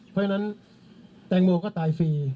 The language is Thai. เพราะฉะนั้นแตงโมก็ตายฟรี